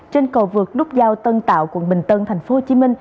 trên cầu vượt nút giao tân tạo quận bình tân tp hcm